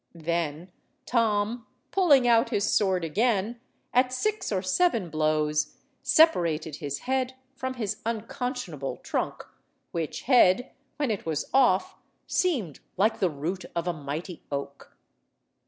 Then Tom, pulling out his sword again, at six or seven blows separated his head from his unconscionable trunk, which head, when it was off, seemed like the root of a mighty oak.